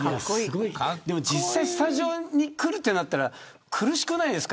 実際にスタジオに来るとなったら苦しくないですか。